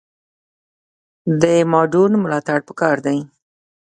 د مادون ملاتړ پکار دی